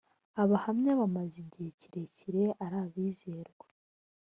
abahamya bamaze igihe kirekire ari abizerwa